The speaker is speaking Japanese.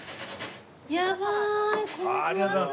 やばい！